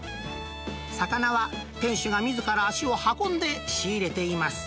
魚は店主がみずから足を運んで仕入れています。